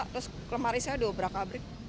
terus kelemari saya dobra kabrik